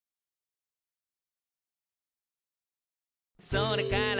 「それから」